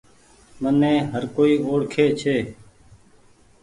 مني هر ڪوئي اوڙکي ڇي۔